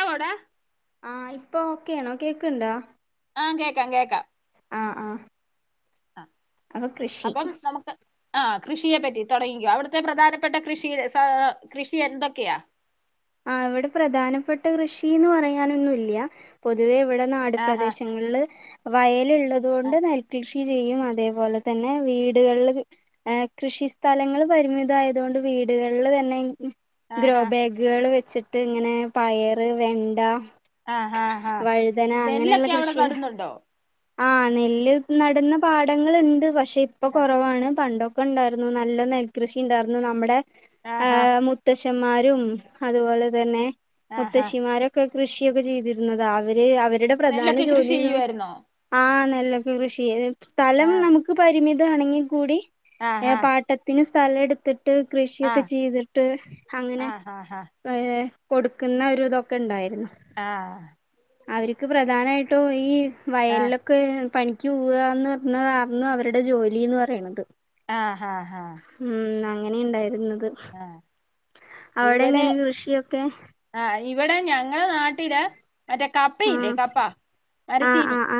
ടോടാ ആഹ്. ഇപ്പൊ ഓക്കെയാണോ? കേക്ണ്ടോ? ആഹ് കേക്കാം കേക്കാം ആഹ് ആഹ് ആഹ് അപ്പൊ കൃഷി അപ്പം നമുക്ക് ആഹ് കൃഷിയെ പറ്റി തൊടങ്ങിക്കോ. അവിടുത്തെ പ്രധാനപ്പെട്ട കൃഷി സാ കൃഷി എന്തൊക്കെയാ? ആഹ് ഇവിടെ പ്രധാനപ്പെട്ട കൃഷീന്ന് പറയാനൊന്നൂല്ല്യ. പൊതുവേ ഇവിടെ നാട് ആഹാ പ്രദേശങ്ങളില് വയല്ള്ളതു കൊണ്ട് ആഹ് നെൽകൃ ഷി ചെയ്യും അതേപോലെ തന്നെ വീടുകളിൽ ഏഹ് കൃഷി സ്ഥലങ്ങൾ പരിമിതമായത് കൊണ്ട് വീടുകളിൽ തന്നെ ഗ്രോ ആഹാ ബാഗുകൾ വെച്ചിട്ട് ഇങ്ങനെ പയറ് വെണ്ട ആഹാ ഹാ വഴുതന അങ്ങനെയുള്ള നെല്ലൊക്കെ അവിടെ കൃഷി നടുന്നുണ്ടോ ആഹ് നെല്ല് നടുന്ന പാഠങ്ങളുണ്ട് പക്ഷെ ഇപ്പൊ ആഹ് കുറവാണ് പണ്ടൊ ക്ക ഇണ്ടായിരുന്നു നല്ല നെൽകൃഷി ഉണ്ടായിരുന്നു നമ്മുടെ ആഹ് ആഹ് മുത്തശ്ശന്മാരും അതുപോലെ തന്നെ ആഹാ മുത്തശ്ശിമാരും ക്കെ കൃഷിയൊക്കെ ചെയ്തിരുന്നുന്നതാ അവര് അവരുടെ പ്രധാന നെല്ലൊക്കെ കൃഷി ജോലിന്ന് ചെയ്യുവായിരുന്നോ ആഹ് നെല്ലൊക്കെ കൃഷി ചെയ്ത് സ്ഥലം ആഹ് നമുക്ക് പരിമിതമാണെങ്കിൽ കൂടി ആഹാ പാട്ടത്തിന് സ്ഥലം എടുത്തിട്ട് ട്ട് കൃഷിയൊക്കെ ആഹ് ചെയ്തിട്ട് അങ്ങനെ ആഹാഹാ ഏ കൊടുക്കുന്ന ഒരു ഇതൊക്കെ ഉണ്ടായിരുന്നു ആഹ് അവരിക്ക് പ്രധാനമായിട്ടും ഈ ആഹ് വയലിലൊക ഒക്കെ പണിക്ക് പോവാന്ന് പറഞ്ഞതായിരുന്നു അവരുടെ ജോലിന്ന് പറയണത് ആഹ് ആഹ് ഉം അങ്ങനെ ഇണ്ടായിരുന്നത് ആഹ് അവിടെ ഇവിടെ എങ്ങനെ കൃഷിയൊക്കെ ആഹ് ഇവിടെ ഞങ്ങള നാട്ടില് മറ്റേ ആ കപ്പയില്ലേ കപ്പ ആ മരച്ചീനി ആ ആ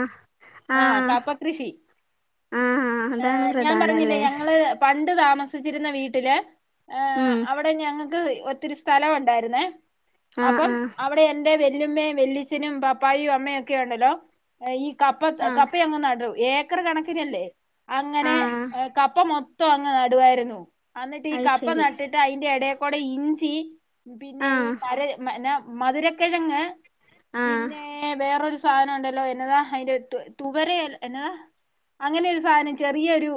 ആ കപ്പ കൃഷി ആ അതാണ് ഞാൻ പറഞ്ഞില്ലേ പ്രധാനല്ലേ ഞങ്ങള് പണ്ട് താമസിച്ചിരുന്ന വീട്ടില് ഉം അവിടെ ഞങ്ങ ഒത്തിരി സ്ഥലം ഉണ്ടായിരുന്നേ ആ അപ്പം ആ അവിടെ എ എന്റെ വെല്ലുമ്മേം വെല്ലിച്ചനും പപ്പായും അമ്മയും ഒക്കെ ഉണ്ടല്ലോ ഈ കപ്പ ആ കപ്പ അങ്ങ് നടും ഏക്കറ് കണക്കിനല്ലേ ആ അങ്ങനെ കപ്പ മൊത്തം അങ്ങ് നടുവായിരുന്നു അന്നിട്ട് ഈ അത് കപ്പ ശരി നട്ടിട്ട് അതിൻ്റെ ഇട കുടെ ഇഞ്ചി പിന്നെ ആ ഈ മര പിന്ന മധുരക്കിഴങ്ങ് ആ ആ പിന്നെ വേറൊരു സാധനം ഉണ്ടല്ലോ എന്നതാ അതിന്റെ തു തുവരാ എന്നതാ അങ്ങനെ ഒരു സാധനം ചെറിയൊരു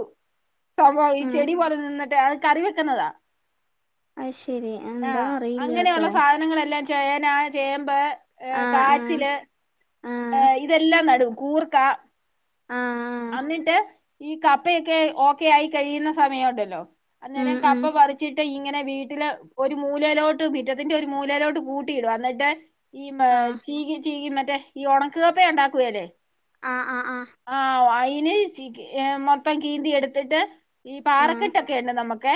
സംഭവം ഈ ചെടി പോലെ നിന്നിട്ട് അത് കറി വെക്കുന്നതാണ് അത് ശരി എന്താന്ന് ആഹ് അറിയില്ല കേട്ടോ അങ്ങനെയുള്ള സാധനങ്ങളെല്ലാം ചേന ചേമ്പ് ആ ഏഹ് ആ കാച്ചില് ആ ഇതെല്ലാം നടും കൂർക്ക ആഹ് അന്നിട്ട് ഈ കപ്പയൊക്കെ ഓക്കെ ആയി കഴിയുന്ന സമയുണ്ടല്ലോ ഉം അന്നേരം ഉം കപ്പ പറിച്ചിട്ട് ഇങ്ങനെ വീട്ടില് ഒരു മൂലയിലോട്ട് മിറ്റത്തിന്റെ ഒരു മൂലയിലോട്ട് കൂട്ടിയിടും അന്നിട്ട് ഈ മ ആ ചീകി ചീകി മറ്റേ ഈ ഒണക്ക്‌ കപ്പയുണ്ടാക്കുവേലെ ആഹ് ആഹ് ആഹ് ആ അയിന് ചീകി മൊത്തം കീന്തി എടുത്തിട്ട് ഈ ആ പാറക്കെട്ടൊക്കെയുണ്ട് നമ്മക്കെ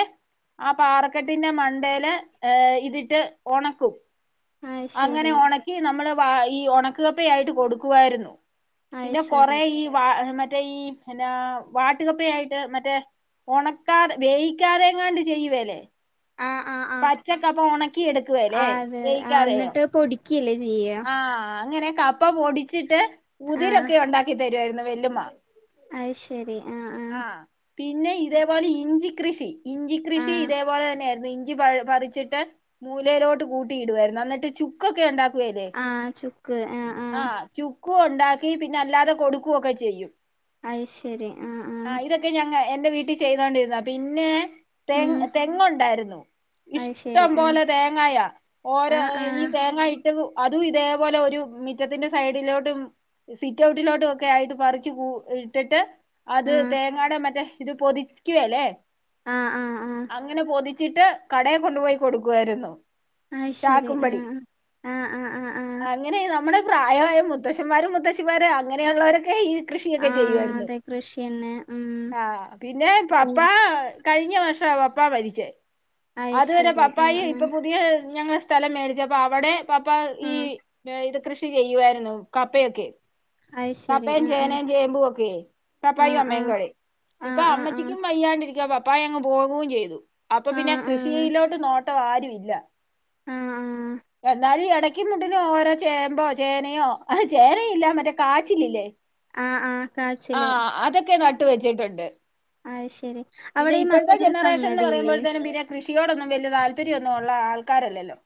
ആ പാറക്കെട്ടിന്റെ മണ്ടേല് ഇതിട്ട് ഒണക്കും അത് അങ്ങനെ ശരി ഉണക്കി നമ്മള് വ ഈ ഉണക്കു കപ്പ ആയിട്ട് കൊടുക്കുവായിരുന്നു അത് പിന്നെ കൊറെ ശരി ഈ വ മറ്റേ ഈ എന്നാ വാട്ടുകപ്പയായിട്ട് മറ്റേ ഒണക്കാതെ വേയിക്കാതെയെങ്ങാണ്ട് ചെയ്യുവേലെ ആ ആ ആ പച്ചക്കപ്പ ഒണക്കി എടുക്കുവേലെ വേയിക്കാതെ ല്ലേ ചെയ്യാ ആഹ് അങ്ങനെ കപ്പ പൊടിച്ചിട്ട് ആഹ് മുതിരൊക്കെ ഒണ്ടാക്കി തരുവായിരുന്നു വെല്ലുമ്മ അയ് ശരി ആഹ് ആഹ് പിന്നെ ഇതേ പോലെ ഇഞ്ചി കൃഷി ഇഞ്ചി കൃഷി ആഹ് ഇതേ പോലെ തന്നെയായിരുന്നു ഇ ഞ്ചി പ പറിച്ചിട്ട് മൂലയിലോട്ട് കൂട്ടി ഇടുവാരുന്നു അന്നിട്ട് ചുക്കൊക്കെ ഉണ്ടാക്കുവേലെ ആഹ് ചുക്ക് ആഹ് ആഹ് ചുക്കും ഒണ്ടാക്കി പിന്നെ അല്ലാതെ കൊടുക്കുവൊക്കെ ചെയ്യും അയ് ശരി ആഹ് ആഹ് ക്കെ ഞങ്ങ എന്റെ വീട്ടി ചെയ്തോണ്ടിരുന്നതാ, പിന്നെ ഉം തേങ്ങ് തെങ്ങൊണ്ടാരുന്നു അത് ശരി ഇഷ്ടം ആഹ് പോലെ തേങ്ങായാ, ഓരോ ആഹ് ഈ ആഹ് തേങ്ങായി തു അതും ഇതേപോലെ ഒരു മി റ്റത്തിന്റെ സൈഡിലോട്ടും സിറ്റൗട്ടിലോട്ടൊക്കെയായിട്ട് പറിച്ച് കൂ ഇട്ടിട്ട് അത് ആഹ് തേങ്ങാടെ മറ്റേ ഇത് പൊതിക്കുവേലെ ആഹ് ആഹ് അങ്ങനെ പൊതിച്ചിട്ട് കടേ കൊണ്ടുപോയി കൊടുക്കുവായിരുന്നു അയ് ശരി ചാക്കുംപടി ആഹ് ആഹ് ആഹ് ആഹ് ആഹ് അങ്ങനെ നമ്മടെ പ്രായവായ മുത്തശ്ശന്മാരും മുത്തശ്ശിമാരും അങ്ങനെയുള്ളവരൊക്കെ ഈ കൃഷിയൊക്കെ ചെയ്യുമായിരുന്നു ഏഹ് ഉം ആഹ് പിന്നെ പപ്പാ കഴിഞ്ഞ വർഷാ പപ്പാ മരിച്ചേ, അത് അതുവരെ ശരി ആഹ് പപ്പായും ഇപ്പൊ ആഹ് പുതിയ ഞങ്ങ സ്ഥലം മേടിച്ചപ്പ അവടെ പപ്പ ഈ ആഹ് ഇത് കൃഷി ചെയ്യുവായിരുന്നു കപ്പയൊക്കെ അത് ശരി കപ്പയും ആഹ് ചേനയും ചേമ്പും ഒക്കെ ആഹ് പപ്പയും അമ്മയും ആഹ് കൂടി ഇപ്പൊ ആഹ് ആഹ് അമ്മച്ചിക്കും വയ്യാണ്ടിരിക്ക പ പ്പായങ്ങ് പോകും ചെയ്തു. അപ്പൊ ആഹ് പിന്നെ ആഹ് ആഹ് കൃഷിയിലോട്ട് നോട്ടം ആരും ഇല്ല ആഹ് ആഹ് എന്നാലും എടക്ക് മുട്ടിന് ഓരോ ചേമ്പോ ചേനയോ ആഹ് ചേനയില്ല മറ്റേ കാച്ചിലില്ലേ ആഹ് ആഹ് കാച്ചില് ആഹ് അതൊക്കെ നട്ട് വെച്ചിട്ടൊണ്ട് അത് ശരി. പിന്നെ അവിടെ ഈ ഇപ്പഴത്തെ മറ്റൊരു ജനറേഷൻന്ന് സംഗതിയില്ലേ? പറയുമ്പോഴത്തേനും പിന്നെ കൃഷിയോടൊന്നും വല്ല്യ താല്പര്യമൊന്നു ഒള്ള ആൾക്കാരല്ലല്ലോ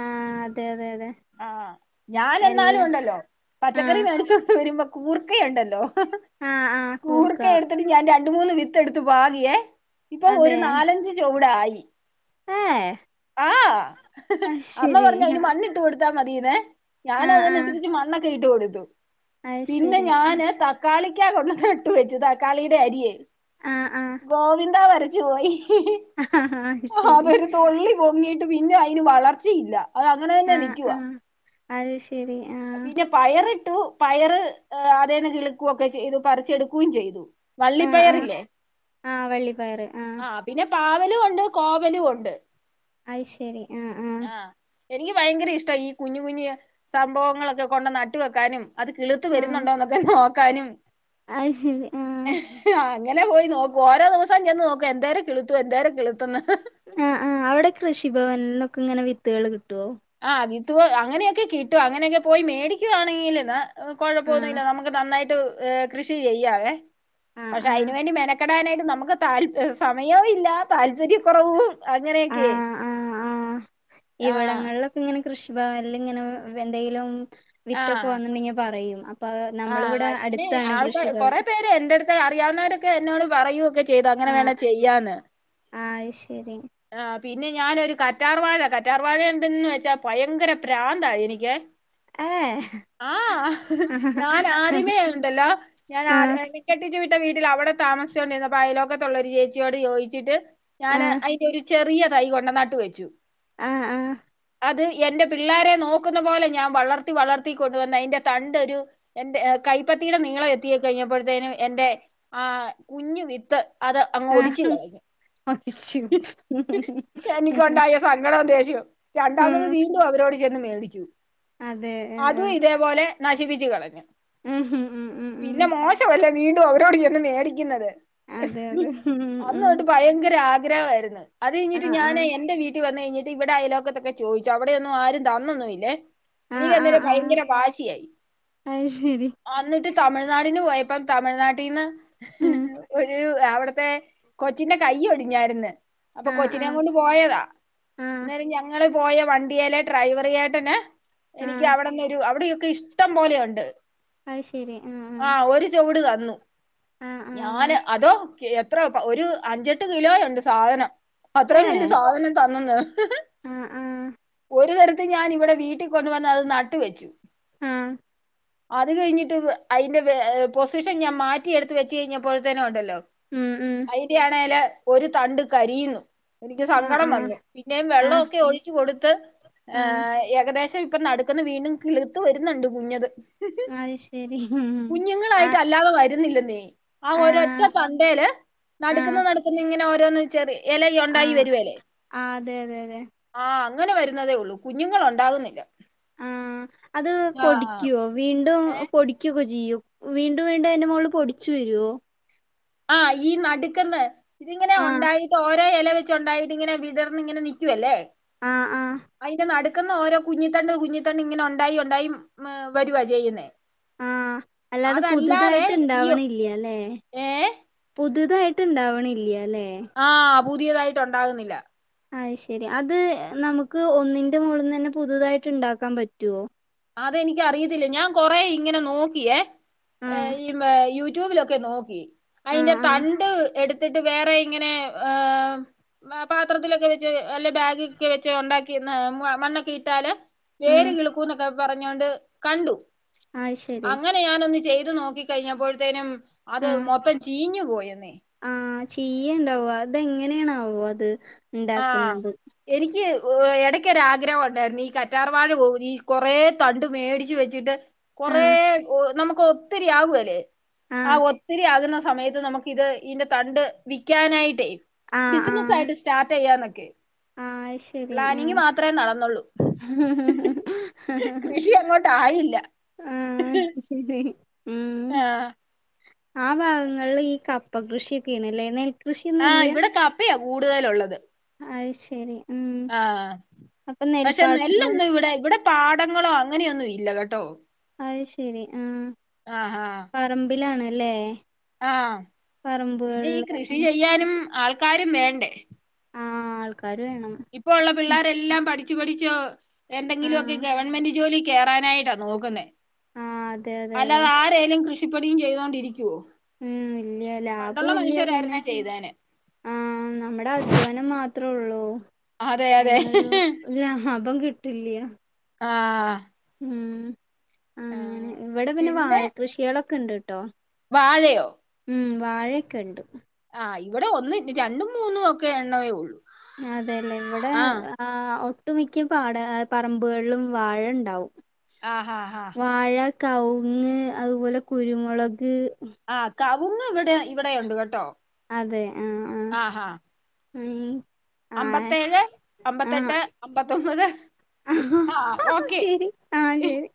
ആ അതെ അതെ അതെ ആഹ് ഞാൻ എന്നാലു എല്ലാം ഒണ്ടല്ലോ ആ പച്ചക്കറി മേടിച്ചോണ്ട് വരുമ്പോ കൂർക്കയുണ്ടല്ലോ ആ ആ കൂർക്ക എടുത്തിട്ട് ഞാൻ രണ്ട് മൂന്ന് വിത്തെടുത്തു പാകിയെ ഇപ്പൊ ഒരു നാലഞ്ച് ചോവ്ടായി ഏഹ് അമ്മ പറഞ്ഞ് അയിന് മണ്ണിട്ട് കൊടുത്താ മതീന്നെ ആ ആ ഞാനതനുസരിച്ച് മണ്ണൊക്കെ ഇട്ട് കൊടുത്തു, അത് പിന്നെ ശരി. ഞാന് തക്കാളിക്കാ കൊണ്ട് നട്ട് വെച്ചു, തക്കാളിയുടെ അരിയെ. ആ ആ ആ, ഗോവിന്ദ വര ച്ച് പോയി, അത് ശരി. അതൊരു തൊള്ളി പൊങ്ങി യിട്ട് പിന്നെ അയിന് വളർച്ചയില്ല, അത് അങ്ങനെ തന്നെ ആ ആ നിക്കുവാ അത് ശരി ആഹ് പിന്നെ പയറിട്ടു പയറ് അതേന്ന് കിളിക്കുവൊക്കെ ചെയ്തു, പറിച്ചെടുക്കുകയും ചെയ്തു ആ ആ വള്ളിപ്പയറില്ലേ ആ വള്ളിപ്പയറ് ആ ആഹ് പിന്നെ പാവലും ഒണ്ട് കോവലും ഒണ്ട് അയ് ശെരി ആഹ് ആഹ് എനിക്ക് ഭയങ്കര ഇഷ്ടാ ഈ കുഞ്ഞു കുഞ്ഞു സംഭവങ്ങളൊക്കെ കൊണ്ട് നട്ട് വെക്കാനും അത് കിളുത്ത് വരുന്നുണ്ടോ എന്നൊക്കെ നോക്കാനും ആയ് ശെരി ആഹ് അങ്ങനെ പോയി നോക്കും. ഓരോ ദിവസം ചെന്ന് നോക്കും എന്തേരം കിളിത്തു എന്തേരം കിളിത്തെന്ന് ആഹ് ആഹ് അവിടെ കൃഷിഭവനിന്നൊക്കെ ഇങ്ങനെ വിത്തുകള് കിട്ടുവോ ആഹ് വിത്ത് അങ്ങനെയൊക്കെ കിട്ടും അങ്ങനെയൊക്കെ പോയി മേടിക്കുയാണെങ്കിൽ എന്നാ ആ കൊഴപ്പമൊന്നുമില്ല നമു ക്ക് നന്നായിട്ട് കൃഷി ചെയ്യാവെ, ആ പക്ഷെ ആ അതിന് വേണ്ടി മെന ക്കെടാനായിട്ടും നമുക്ക് താല്പ സമയവും ഇല്ല താല്പര്യ കുറവും ആ അങ്ങനെയൊക്കെ ആ ആ ആഹ് ഇവിടങ്ങളിലൊക്കെ ഇങ്ങനെ കൃഷി ഭവനിൽ ഇങ്ങനെ എന്തെലും വിത്തൊക്കെ ആഹ് വന്നിട്ടുണ്ടെങ്കിൽ പറയും അപ്പൊ നമ്മളിവിടെ അടുത്താണ് കൃഷി ഭവൻ എന്റെ അടുത്ത് അറിയാവുന്നവരൊക്കെ എന്നോട് പറയുവൊക്കെ ചെയ്തു അങ്ങനെ വേണെ ചെയ്യാന്ന് ആയ് ശെരി ആഹ് പിന്നെ ഞാനൊരു കറ്റാർവാഴ കറ്റാർവാഴ എന്തന്ന് വെച്ചാ ഭയങ്കര പ്രാന്തായി എനിക്ക് ഏ ആഹ് ഹ് ഹ് ഞാൻ ആദ്യമേ ഉണ്ടല്ലോ ഞാൻ ആ ക്കെട്ടിച്ചു വിട്ട വീട്ടിൽ അവിടെ താമസിച്ചോണ്ടിരുന്നപ്പ അയലോകത്തുള്ളരു ചേച്ചിയോട് ചോദിച്ചിട്ട് ആ ഞാന് അതിന്റെ ഒരു ചെറിയ തൈ കൊണ്ട നട്ട് വെച്ചു ആഹ് ആഹ്.. അത് എന്റെ പിള്ളോരെ നോക്കുന്ന പോലെ ഞാൻ വളർത്തി വളർത്തി കൊണ്ടുവന്ന അതിറെ തണ്ടരു എൻറെ കൈപ്പത്തീടെ നീളം എത്തി കഴിഞ്ഞപ്പോഴത്തേനും എന്റെ ആ കുഞ്ഞ് വിത്ത് അത് അങ്ങ് ഒടിച്ച് കളഞ്ഞു അച്ചോ ഹ് ഹ് ഹ്... എനിക്കുണ്ടായ സങ്കടവും ദേഷ്യം രണ്ടാമത് വീണ്ടും അവരോട് ചെന്ന് മേടിച്ചു അതെ അതും ഇതേ പോലെ നശിപ്പിച്ചു കളഞ്ഞു ഉം ഉം.. ഉം ഉം പിന്നെ ഉം. മോശമല്ലേ വീണ്ടും അവരോട് ചെന്ന് മേടിക്കുന്നത് അതെ ഹ് അതെ ഉം അന്ന് ഉം ന്നേട്ട് ഭയങ്കര ആഗ്ര ആഗ്രഹമായിരുന്നു അത് ആ കഴിഞ്ഞിട്ട് ആ ഞാൻ എന്റെ വീട്ടീ വന്ന് കഴിഞ്ഞട്ട് ഇവിടെ ആയലോക്കത്തൊക്കെ ചോദിച്ചു അവിടെയൊന്നും ആരും തന്നൊന്നുംല്ലേ ആ ആ എനിക്ക്അന്നേരം ആ ഭയങ്കര വാശിയായി അത് ശരി അന്നിട്ട് തമിഴ്നാടിന് പോയപ്പം തമിഴ്നാട്ടിൽന്ന് ഹ് ഉം ഹ് ഒരു അവിടത്തെ കൊച്ചിന്റെ കൈ ഒടിഞ്ഞായിർന്നു അപ്പൊ ആ ആ കൊച്ചിനെ കൊണ്ട് പോയതാ ആ അന്നേരം ഞങ്ങള് പോയ വണ്ടിയെലെ ഡ്രൈവർ ചേട്ടൻ ആ എനിക്ക് അവിടന്ന ഒരു അവിടെയൊക്കെ ഇഷ്ടം പോലെയുണ്ട് അത് ശരി ആ ആഹ് ഒരു ചുവട് തന്നു ആ ആ ഞാന് അതോ എത്ര ഒരു അഞ്ചെട്ട് കിലോയ ഉണ്ട് സാധനം ആ അത്രയും ഏ വലിയ സാധനം തന്നന്ന് ഹ് ഹ് ആഹ് ആഹ് ഒരു തരത്തി ഞാൻ ഇവിടെ വീട്ടിൽ കൊണ്ടുവന്ന് അത് നട്ട് വെച്ചു ആഹ്.. അത് കഴിഞ്ഞിട്ട് അതിന്റെ പൊസിഷൻ ഞാൻ മാറ്റിയെടുത്ത് വെച്ച കഴിഞ്ഞപ്പോഴത്തന്നെ ഉണ്ടല്ലോ ഉം ഉം അയിന്റെയാണേല ഒരു തണ്ട് കരിയുന്നു എനിക്ക് ആഹ് സങ്കടം ആഹ് വന്നു പിന്നേം ആഹ് വെള്ളമൊക്കെ ഒഴിച്ചു കൊടുത്ത് ആഹ് ഹ് ഏകദേശം ഇപ്പം നടുക്കുന്ന് വീണ്ടും കിളുത്ത് വരുന്നുണ്ട് കുഞ്ഞത് ഹ് ഹ് അത് ശരി ഉം കുഞ്ഞുങ്ങളായിട്ട് ആഹ് അല്ലാതെ വരുന്നില്ലെന്നെ ആ ഒരൊറ്റ ആഹ് തണ്ട് തണ്ടേൽ ആഹ് നടക്കുന്നു നടക്കുന്നുന്നു ഇങ്ങനെ ഓരോന്ന് വെച്ചാറിയ ഇല ഉണ്ടായി ആഹ് വരുല്ലേ ആഹ് അതെ അതെ അതെ ആഹ് അങ്ങനെ വരുന്നതേ ഉള്ളൂ കുഞ്ഞുങ്ങള ഉണ്ടാകുന്നില്ല ആഹ് അത് ആഹ് പൊടിക്കുവോ വീണ്ടും പൊടിക്കക്കെ ചെയ്യും വീണ്ടും വീണ്ടും അതിന്റെ മോള് പൊടിച്ചു വരുവോ? ആഹ ഈ നടുക്കന്ന് ഇതിങ്ങനെ ആഹ് ഉണ്ടായിട്ട് ഓരോ ഇ ഇല വെ ച് ണ്ടായിട്ട് ഇങ്ങനെ വിടർന്ന് ഇങ്ങനെ നിക്കല്ലേ ആഹ് ആഹ് അയിന്റെ നടക്കുന്ന ഓരോ കുഞ്ഞിത്തണ്ട് കുഞ്ഞിത്തണ്ട് ഇങ്ങനെ ഉണ്ടായി ഉണ്ടായി വരുവാ ചെയ്യുന്നേ ആഹ് അല്ലാതെ അതല്ലാതെ പുതുതായിട്ട് യൂ ഇണ്ടാവണില്ല്യ അല്ലേ ഏ പുതുതായിട്ട് ണ്ടാവണില്ലയ ല്ലേ ആ പൂതിയതായിട്ട് ണ്ടാകുന്നില്ല അത് ശരി അത് നമുക്ക് ഒന്നിന്റെ മുകളുകളിൽ തന്നെ പുതുതായിട്ട് ഉണ്ടാക്കാൻ പറ്റുവോ അതെനിക്കറിയത്തില്ല ഞാൻ കൊറെ ഇങ്ങനെ നോക്കിയേ ഏ ആഹ് ഈ യൂട്യൂബിലൊക്കെ നോക്കി അതിന്റെ ആഹ് ആഹ് തണ്ട് എടുത്ത്- ത്തിട്ട് വേറെ ഇങ്ങനെ ആ പാത്രത്തിലൊക്കെ വെച്ച് അല്ല ബാഗ ഒക്കെ വെച്ച് ഉണ്ടാക്കി മണ്ണൊക്കെ ഇട്ടാല് ഉം വേര് കിളക്കൂന്നൊക്കെ പറഞ്ഞൊണ്ട് കണ്ടു ആയ് ശരി ന്നെ ഞാനൊന്ന് ചെയ്ത് നോക്കി കയ്ഞ്ഞപ്പോഴത്തേനും അത് മൊത്തം ചീഞ്ഞു പോയെന്നേ ആ ചീയ്യ്ണ്ടാവും അതെങ്ങനെയാണാവോ അത് ആ ഉണ്ടാക്കുന്നത് എനിക്ക് എടയ്ക്കൊരാഗ്രഹണ്ടായിരുന്നു ഈ കറ്റാർവാഴ ഊരി കൊറെ തണ്ട് മേടിച്ചു വെച്ചിട്ട് കൊറെ ആഹ് നമുക്ക് ഒത്തിരിയാകുല്ലേ ആ ആഹ് ഒത്തിരി ആകുന്ന സമയത്ത് നമുക്ക് ഇത് ഇന്റെ തണ്ട് വിക്കാനായിട്ടേ ആഹ് ആഹ് ബിസിനസായിട്ട് സ്റ്റാർട്ടെയ്യാന്നൊക്കെ ആഹ് അത് ശരി പ്ലാനിങ് ആഹ് മാത്രേ നടന്നൊള്ളൂ കൃഷി അങ്ങോട്ടായില്ല ആഹ് ഉം ആ ഭാഗങ്ങലീ ഈ കപ്പകൃഷിയൊക്കെണ്ല്ലേ നെൽകൃഷി ആ ഇവിടെ കപ്പയാ കൂടുതലൊള്ളത് അയ് ശെരി ആ പക്ഷെ നെൽപ്പാടങ്ങളും നെല്ലൊന്നും ഇവിടെ ഇവിടെ പാടങ്ങളോ അങ്ങനെയൊന്നും ഇല്ല കേട്ടോ അയ് ശെരി ആ ആ ആ പറമ്പിലാണല്ലേ ആ പിന്നെ ഈ പറമ്പുകളിൽ കൃഷി ആഹ് ചെയ്യാനും ആൾക്കാരും വേണ്ടേ ആൾക്കാര് വേണം ഇപ്പോള്ള പിള്ളേരെല്ലാം പഠിച്ച് പഠിച്ച് എന്തെങ്കിലൊക്കെ ആഹ് ഗവൺമെന്റ് ജോലി കേറാനായിട്ടാ നോക്കുന്നെ ആഹ് അതെ അതെ അതെ അല്ലാതെ ആരേലും കൃഷിപ്പണിം ചെയ്തോണ്ടിരിക്കോ ഉം ഇല്ല ലാബോം ഇല്ല പിന്നെ ചെയ്തേനെ ആ നമ്മുടെ അധ്വാനം മാത്രൊള്ളു അതെ അതെ അയ്ന്നൊരു ഒരു ലാഭം കിട്ടില്ല ആ ഉം ഉം ഇവിടെ പിന്നെ വാഴ കൃഷികളൊക്കെ ണ്ട് ട്ടോ വാഴയോ ഉം വാഴയൊക്കെണ്ട് ആ ഇവടെ ഒന്ന് രണ്ടും മൂന്നും ഒക്കെ എണ്ണമേ ഉള്ളൂ അതെല്ലേ ഇവടെ ആഹ് ആ ഒട്ടുമിക്ക പാട പറമ്പുകളിലും വാഴണ്ടാവും ആ അ അ വാഴ കവുങ്ങ് അതുപോലെ കുരുമുളക് ആ കവുങ് ഇവടെ ഇവടെ ഒണ്ട് കേട്ടോ ആ ഉം അമ്പത്തേഴ് അമ്പത്തെട്ട് അമ്പത്തൊമ്പത് ആ ഓക്കെ ആ ശെരി